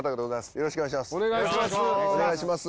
よろしくお願いします。